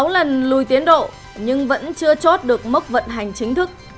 sáu lần lùi tiến độ nhưng vẫn chưa chốt được mức vận hành chính thức